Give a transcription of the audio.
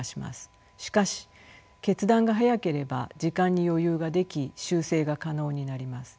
しかし決断が早ければ時間に余裕ができ修正が可能になります。